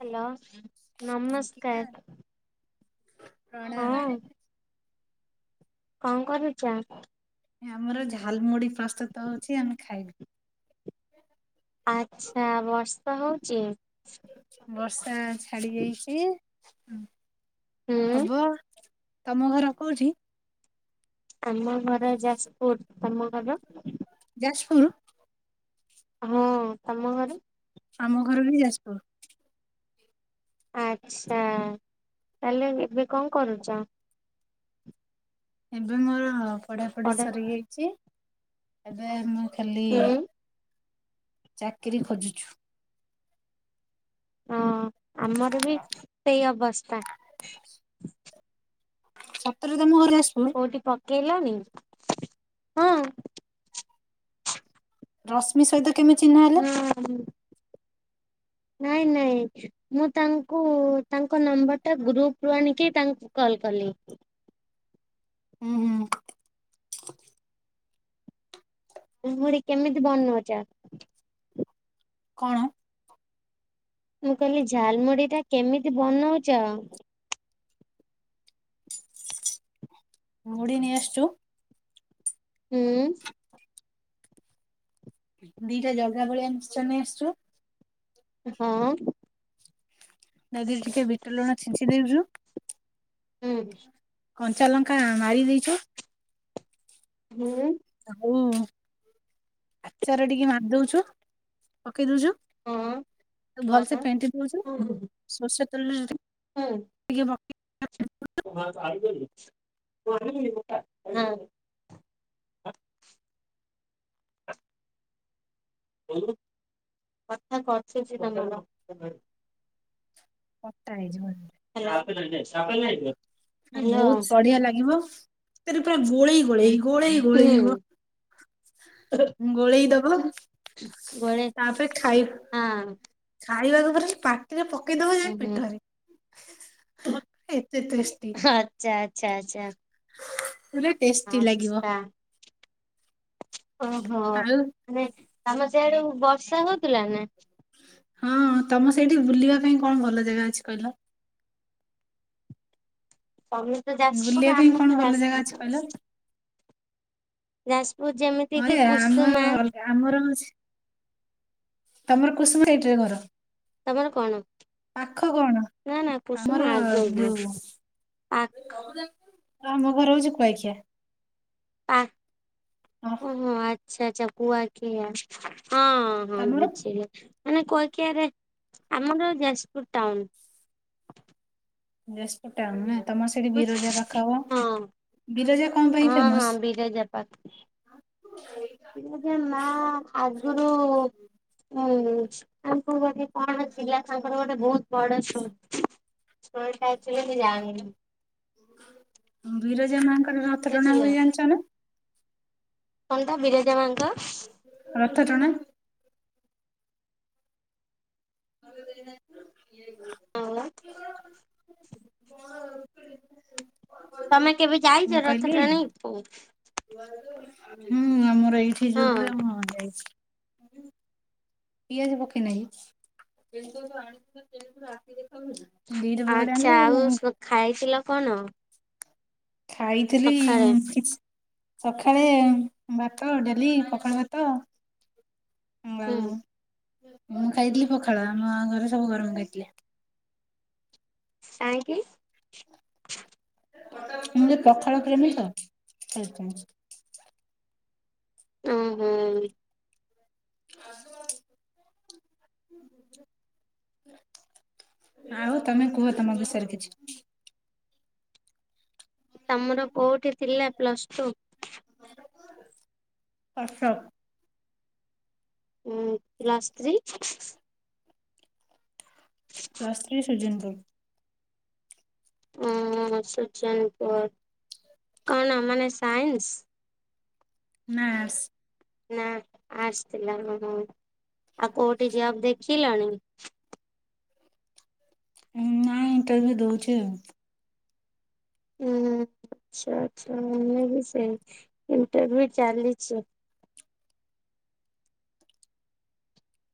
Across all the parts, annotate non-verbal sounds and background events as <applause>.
Hello. Ankita. ହଁ କଣ କରୁଚ? ଆମର ଝାଲମୁଡି ପ୍ରସ୍ତୁତ ହଉଛି ଆମେ ଖାଇବୁ। ଆଚ୍ଛା ବର୍ଷା ହଉଚି? ବର୍ଷା ଛାଡି ଯାଇଛି ହୁଁ ହବ। ତମ ଘର କୋଉଠି? ଆମ ଘର ଯାଜପୁର ତମ ଘର? ଯାଜପୁର? ହଁ ତମ ଘର? ଆମ ଘର ବି ଯାଜପୁର। ଆଚ୍ଛା ତାହେଲେ ଏବେ କଣ କରୁଚ? ଏବେ ମୋର ପଢାପଢି ପଢା ସରିଯାଇଚି ଏବେ ମୁଁ ଖାଲି ହୁଁ ଚାକିରି ଖୋଜୁଛୁ। ହଁ ଆମର ବି ସେଇ ଅବସ୍ଥା। ସତରେ ତମ ଘର ଯାଜ କୋଉଠି ପକେଇଲଣି? ରଶ୍ମି ସହିତ କେମି ଚିହ୍ନା ହେଲେ? ହୁଁ ହୁଁ। ନାଇଁ ନାଇଁ। ମୁଁ ତାଙ୍କୁ ତାଙ୍କ ନମ୍ବର ଟା ଗ୍ରୁପ ରୁ ଆଣିକି ତାଙ୍କୁ କଲ କଲି। ହୁଁ ହୁଁ। ଲମୁଡି କେମିତି ବନଉଚ? କଣ? ମୁଁ କହିଲି ଝାଲମୁଡି ଟା କେମିତି ବନଉଚ? ମୁଢି ନେଇ ଆସଚୁ। ହୁଁ। ଦି ଟା ଜଗା ବଳିଆ ମିକ୍ସଚର ନେଇ ଆସଚୁ। ହଁ। ତା ଧିଅରେ ଟିକେ ବିଟ ଲୁଣ ଛିଞ୍ଚି ଦେଉଛୁ। ହୁଁ। କଞ୍ଚା ଲଙ୍କା ମାରି ଦେଇଛୁ। ହୁଁ। ଆଉ ଆଚାର ଟିକେ ମାରି ଦଉଛୁ ପକେଇ ଦଉଛୁ। ହଁ ତାକୁ ଭଲସେ ଫେଣ୍ଟି ଦଉଛୁ ସୋରିଷ ତେଲ ରେ ଟି କେ ପକେଇ ହୁଁ। କଥା କଟୁଛି ତମର। ଅଟା ହେଇଯିବ। ହାଲୋ। ହୁଁ ବହୁତ ସଢିଆ ଲାଗିବ <unintelligible> ପୁରା ଗୋଳେଇ ଗୋଳେଇ ଗୋଳେଇ ଗୋଳେଇବ ଗୋଳେଇ ଦବ ତାପରେ ଖାଇ ଆଁ ଖାଇବାକୁ <unintelligible> ପାଟିରେ ପକେଇଦବ ଜେ ଉଁ ହୁଁ ପେଟରେ ଏତେ ଟେଷ୍ଟି <unintelligible> ଆଚ୍ଛା ଆଚ୍ଛା ଆଚ୍ଛା। ପୁଲେ ଟେଷ୍ଟି ଲାଗିବ। ଆଚ୍ଛା ଆଚ୍ଛା ଓହୋ! ଆଉ ମାନେ <unintelligible> ସିଆଡୁ ବର୍ଷା ହଉଥିଲା ନା? ହଁ, ତମ ସେଇଠି ବୁଲିବା ପାଇଁ କଣ ଭଲ ଜାଗା ଅଛି କହିଲ? ତମେ ତ ବୁଲିବା ଯାଜପୁର ପାଇଁ ଆମେ କଣ ଭଲ ତ ଜାଗା ଅଛି କହିଲ <unintelligible> ଯାସପୁର ଯେମି ହଁ ଏ, ଆମର ଅଲଗା ଆମର <unintelligible> ତମର କୁସୁମ ସାଇଟରେ ଘର। ତମର କଣ ପାଖ କଣ ନା ନା ଆମର ପୁସୁମ ଯୋଉ ଆଗକୁ। ଆଖ ଆମ ଘର ହଉଛି କୁଆଖିଆ। ଆ ହଁ ଓହୋ ଆଚ୍ଛା ଆଚ୍ଛା କୁଆଖିଆ ହଁ। ହଁ, ତମର? ବୁଝିଲି ମାନେ କୁଆଖିଆରେ ଆମର ଯାଜପୁର ଟାଉନ। ଯାସପୁର ଟାଉନ ନା ତମର ସେଠି ବୁଝ ବିରଜା ପାଖ ହବ। ହଁ ବିରଜା କଣ ପାଇଁ ହଁ ହଁ ଫେମସ? ବିରଜା ପାଖ ବିରଜା ମା ଆଗୁରୁ ହୁଁ, <unintelligible> ଗୋଟେ କଣ ଥିଲା, ତାଙ୍କର ଗୋଟେ ବହୁତ୍ ବଡ଼ <unintelligible> ଟା ଆକଚୁଆଲି ସେ ଜାଣି ନି। ବିରଜା ମାଙ୍କର ରଥଟଣା ବୁଝିଲ ହୁଏ ଜାଣିଛ ନା? କନ ତା ବିରଜା ମାଙ୍କ ରଥ ଟଣା। <unintelligible> <unintelligible> ତମେ କେବେ ମୁଁ ଯାଇଛ ରଥ କହିଲି ଟାଣି <unintelligible> ପାଇଁ? ହୁଁ, ଆମର ଏଇଠି ହଁ ଯଉ ହୁଏ ମ ଯାଇଛି। ପିଆଜ ପକେଇନ କି? ଦି ଟା <unintelligible> ଆନ ଆଚ୍ଛା ଲେ ଆଉ ଖାଇଥିଲ କନ? ଖାଇଥିଲି ଉଁ କିଛି ସକାଳେ ଭାତ, ଡାଲି, ପଖାଳ ଭାତ ଉଁ ହୁଁ। ଆଉ ମୁଁ ଖାଇଥିଲି ପଖାଳ, ଆମ ଘରେ ସବୁ ଗରମ ଖାଇଥିଲେ। କାଇଁକି? ମୁଁ <unintelligible> ପଖାଳ ପ୍ରେମି ତ ସେଇଥିପାଇଁ। ଉଁ ହୁଁ। <unintelligible> ଆଉ ତମେ କୁହ ତମ ବିଷୟରେ କିଛି। ତମର କୋଉଠି ଥିଲା ପ୍ଲସ ଟୁ? କଟକ। ଉଁ ପ୍ଲାସ୍ ଥ୍ରୀ? ପ୍ଲସ ଥ୍ରୀ <unintelligible> <unintelligible> କଣ ମାନେ ସାଇନ୍ସ? ନା, ଆର୍ଟ୍ସ ନା, ଆର୍ଟ୍ସ ଥିଲା <unintelligible> ଆଉ କୋଉଠି ଜବ୍ ଦେଖିଲଣି? ନା ଇଣ୍ଟରଭି୍ୟୁ ଦଉଛି ଆଉ। ହୁଁ, ଆଚ୍ଛା! ଆଚ୍ଛା! ମୁଁ ବି ସେଇ ଇଣ୍ଟରଭି୍ୟୁ ଚାଲିଛି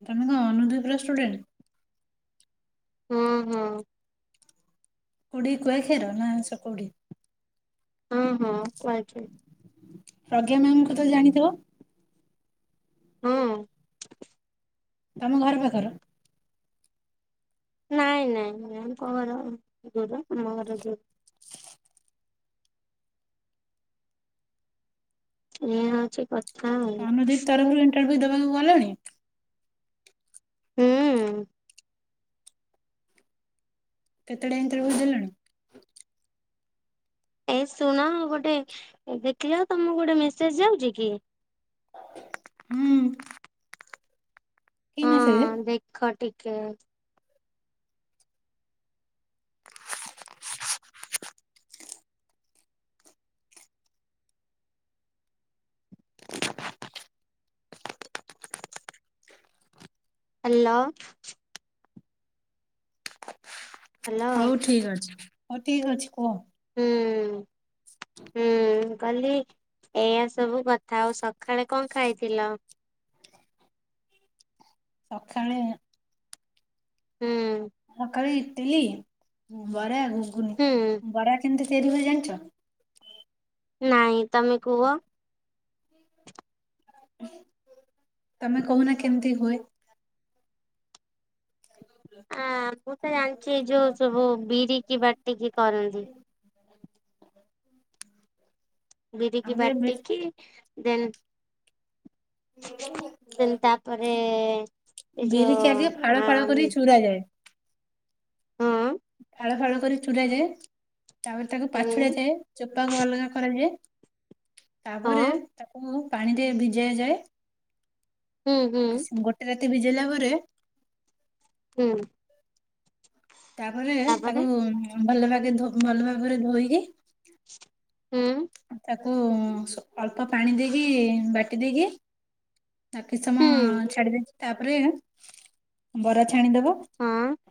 ତମେ କଣ ଅନୁଦୀପର ଷ୍ଟୁଡେଣ୍ଟ୍? ହଁ, ହଁ କୋଡିି କୁଆଖିଆର ନା ସ କଉଠି? ହଁ, ହଁ କୁଆଖିଆ। ପ୍ରଜ୍ଞା ମ୍ୟାାମ ଙ୍କୁ ତ ଜାଣିଥିବ। ହଁ। ତମ ଘର ପାଖର। ନାଇଁ ନାଇଁ ନାଇ ମ୍ୟାାମ ଘର ଦୂର ଆମ ଘର ଦୂର। ଏ ହଉଛି କଥା। ଆଉ ଅନୁଦିପ ତରଫରୁ ଇଣ୍ଟରଭ୍ୟୁ ଦେବାକୁ ଗଲଣି। ହୁଁ। କେତଟା ଇଣ୍ଟରଭ୍ୟୁ ଦେଲନି? ଏ ଶୁଣ ଗୋଟେ ଦେଖିଲଅ ତମକୁ ଗୋଟେ ମେସେଜ ଯାଉଛି କି। ହୁଁ। କି ମେସେଜ ହଁ ଦେଖ ଟିକେ। ହ୍ୟାଲୋ। ହ୍ୟାଲୋ ହଉ ଠିକ ଅଛି ହଉ ଠିକ ଅଛି କୁହ। ହୁଁ ହୁଁ। କାଲି ଏଇଆ ସବୁ କଥା, ଆଉ ସକାଳେ କଣ ଖାଇଥିଲ? ସକାଳେ ହୁଁ, ସକାଳୁ ଇଟିଲି, ବରା, ଘୁଗୁନି। ହୁଁ ବରା କେମିତି ତିଆରି ହୁଏ ଜାଣିଛ? ନାଇଁ ତମେ କୁହ। ତମେ କହୁନା କେମିତି ହୁଏ? ଆ ମୁଁ ତ ଜାଣିଛି ଯୋଉ ସବୁ ବିରିକି ବାଟିକି କରନ୍ତି। ବିରିକି ଆମର ବି ବାଟିକି ଦେନ୍ ଦେନ୍ ତାପରେ ଏ ଯୋଉ ଆମ। ପୁର ଯାଏ <unintelligible> ଫାଳ ଫାଳ କରି ଚୁୁରା ଯାଏ। ତାପରେ ତାକୁ ପାଛୁଡା ହୁଁ ଯାଏ। ଚୋପାକୁ ଅଲଗା କରାଯାଏ। ହଁ ତାପରେ ତାକୁ ପାଣିରେ ଭିଜା ଯାଏ। ହୁଁ ହୁଁ ଗୋଟେ ରାତି ଭିଜେଇଲା ପରେ। ହୁଁ। ତାପରେ ତାକୁ ଭଲ ଭାବେ ଭଲ ଭାବରେ ଧୋଇକି। ହୁଁ। ତାକୁ ଅଳ୍ପ ପାଣି ଦେଇକି ବାଟି ଦେଇକି। ତା କିି ସମ ଛାଡି ଦେଇେଇଛି। ତାପରେ ବରା ଛାଣିଦବ।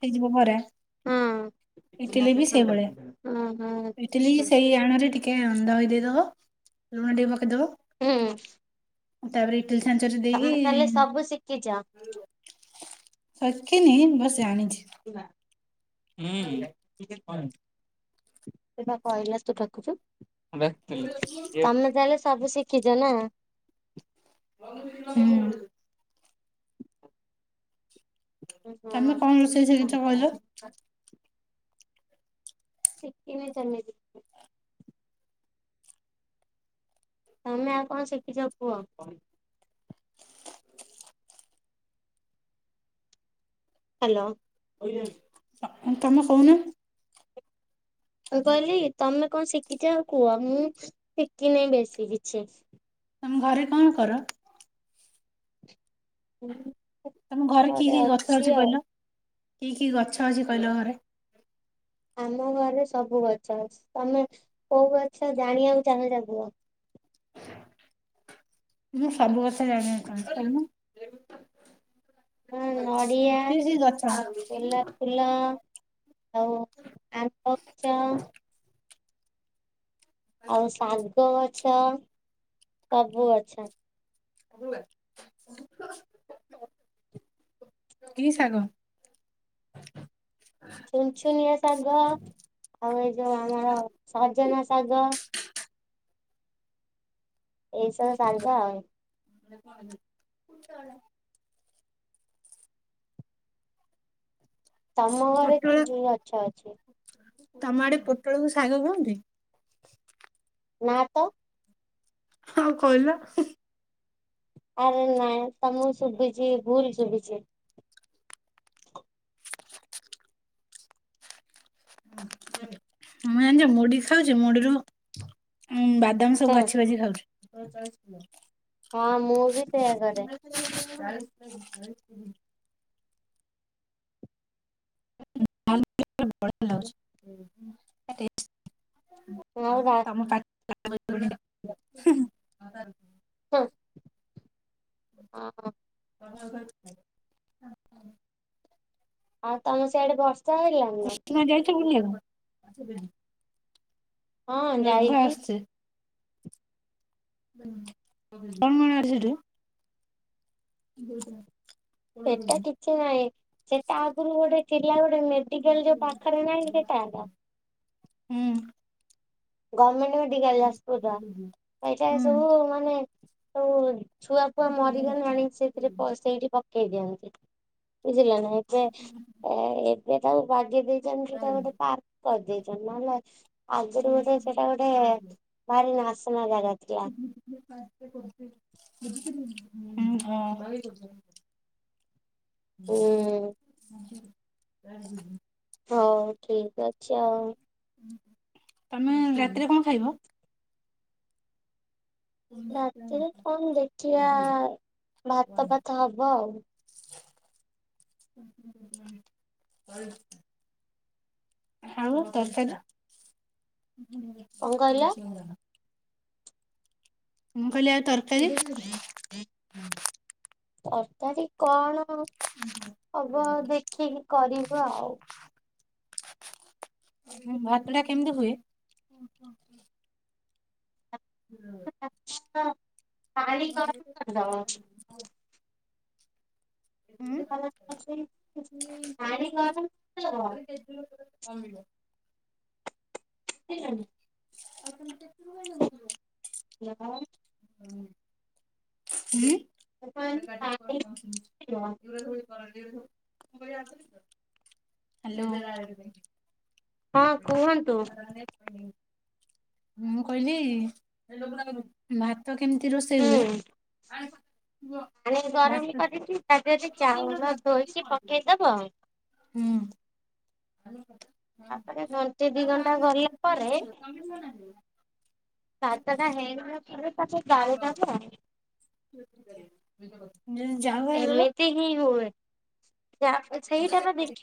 ହେଇଯିବ ବ୍ରରା। ହଁ ହଛା <unintelligible> କେ ଅଧ ହୋଇ ଦେଇଦବ ଲୁଣ ଟିକେ ଦବ <unintelligible> ହୁଁ। ତାପରେ ଇଟିଲ ଛାଞ୍ଚରେ ତମେ ତାହେଲେ ସବୁ ଶିଖିଛ? ଦେଇକି। ଶଖିନି ବାସ ଜାଣିଛି। ହୁଁ <unintelligible> ପା କହିଲା ତୁ ଡାକୁଛୁ ମୁଁ ଡାକିଥିଲି ତମେ ତା। ସବୁ ଶିଖିଛ ନା। ହୁଁ। ତମେ ଓହୋ। କଣ ରୋଷେଇ ଶିଖିଚ କହିଲ? ସିକିନି ସେମିତି। ତମେ ଆଉ କଣ ଶିଖିଛ କୁହ? ହ୍ୟାଲୋ। ତ ତମେ ସହୁନା। ମୁଁ କହିଲି ତମେ କଣ ଶିଖିଚ ଆଉ କୁହ ମୁଁ ଶିଖିନେଇ ବେଶୀ କିଛି। ତମ ଘରେ କଣ କର? ହୁଁ। ତମ ଘରେ କି କି ଗଛ ଅଛି କହିଲ? କି କି ଗଛ ଅଛି କହିଲ ଘରେ? ଆମ ଘରେ ସବୁ ଗଛ ଅଛି। ତମେ କୋଉ ଗଛ ଜାଣିବାକୁ ଚାହଁଉଚ କୁହ? ମୁଁ ସବୁ ଗଛ ଜାଣିବାକୁ ଚାହୁଞ୍ଚି କହୁନ। ହଁ ନଡ଼ିଆ କି କି ଗଛ? ଗୋଲାପ ଫୁଲ। ଆଉ ଆମ୍ବଚ। ଆଉ ଶାଗ ଗଛ ସବୁ ଗଛ। କି ସାାଗ? ଛୁନଛୁନିଆ ଶାଗ ଆଉ ଏଇ ଯୋଉ ଆମର ସଜନା ଶାଗ। ଏ ସବୁ ଶାଗ ଆଉ। <inaudible> ତମ ଘରେ କି ପୋଟଳ କି ଗଛ ଅଛି? ତମ ଆଡେ ପୋଟଳକୁ ଶାଗ କହନ୍ତି? ନା ତ। ହଁ କଇଲ ହୁଁ। ଆରେ ନାଇଁ ତମୁକୁ ଶୁବିଚି ଭୁଲ ଶୁବିଚି। ହ <unintelligible> ମୁଁ ଜାଣିଚ ମୁଢି ଖାଉଛି ମୁଢିରୁ ବାଦାମ ସବୁ ହଁ ବାଛି ବାଛି ଖାଉଚି। ହଁ ମୁଁ ବି ସେଇୟା କରେ। <inaudible> ଆଉ ରା <unintelligible> ତମ ପା ହଁ ହଁ। <inaudible> ଆଉ ତମ ସିଇଆଡେ ବର୍ଷା ହେଲା? କୃଷ୍ମା ଯାଇଚି ବୁଲିବାକୁ? ହଁ ମେଘ ଯାଇଚି। ଆସୁଛି କଣ କଣ ଆଡେ ସେଠୁ। ବ <unintelligible> ସେଟା କିଛି ନାହିଁ ସେଟା ଆଗୁରୁ ଗୋଟେ ଚିଡିଆ ଗୋଟେ ମେ ଡିକାଲ ଯୋଉ ପାଖରେ ନାହିଁ ସେଟା କା ହୁଁ। ଗମେଣ୍ଟ ମେଡିକାଲ ଯାଜପୁରର ସେଇଟା ହୁଁ ସବୁ ମାନେ ସବୁ ଛୁଆ ଫୁଆ ମରିଗଲେ ଆଣିକି ସେଥିରେ ପସ ସେଇଠି ପକ ପକେଇ ଦିଅନ୍ତି ବୁଝିଲ ନା ଯେ ଏ ଏବେ ତାକୁ ବାଗେଇ ଦେଇ ଯେମିତି ସେଟା ଗୋଟେ ପାର୍କ କରିଦେଇଚନ୍ତି ନହେଲେ ଆଗରୁ ଗୋଟେ ସେଟା ଗୋଟେ ଭାରି ନାଶନା ଜାଗା। ଥିଲା ହୁଁ ହଁ। ହୁଁ <unintelligible> ହଉ ଠିକ ଅଛି ଆଉ। ତମେ ରାତିରେ କଣ ଖାଇବ? ରାତିରେ କଣ ଦେଖିବାଆ ଭାତ ଫାତ ହବ ଆଉ। <inaudible> ଆଉ ତରକାରୀ କଣ କହିଲ ମୁଁ କହିଲି ଆଉ ତରକାରୀ? ତକାରାରି କଣ? ହବ ଦେଖିକି କରିବା ଆଉ। ଭାତ ଟା କେମିତି ହୁଏ? <inaudible> ହୁଁ। ଭାତ ଟା ପାଣି କ <unintelligible> ହୁଁ <unintelligible> <unintelligible> <unintelligible> <unintelligible> <unintelligible> ହୁଁ। ହାଲୋ। ହଁ କୁହନ୍ତୁ। <unintelligible> ମୁଁ କହିଲି ଭାତ କେମିତି ରୋଷେଇ ହୁଁ ହୁଏ? ପାଣି ଗରମ ଭାତ କରିକି ତା ଦେହରେ ଚାଉଳ ଧୋଇକି ପକେଇଦବ। ହୁଁ। <unintelligible> ତାପରେ ଘଣ୍ଟେ ଦି ଘଣ୍ଟା ଗଲା ପରେ ଭାତ ହେଇ ଗଲାପରେ ତାକୁ ଗାଳି ଦବ। ଯଦି ଯାଉ ହେଇଗଲା। ତି ହିଁ ହୁଏ। ଯା ସେଇଟା ପା ଦେଖ